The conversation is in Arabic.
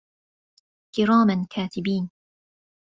كِرَامًا كَاتِبِينَ